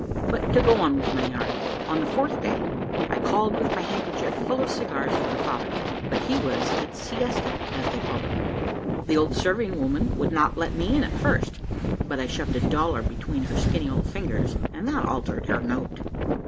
But to go on with my yarn. On the fourth day, I called with my handkerchief full of cigars for the father, but he was at siesta, as they called it. The old serving woman would not let me in at first: but I shoved a dollar between her skinny old fingers, and that altered her note.